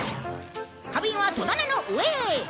花瓶は戸棚の上へ。